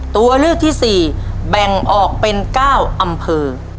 ตัวเลือกที่๔แบ่งออกเป็น๙อำเภอ